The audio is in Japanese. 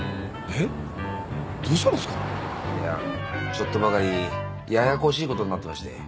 ちょっとばかりややこしいことになってまして。